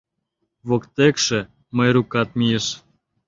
Воктекше Майрукат мийыш.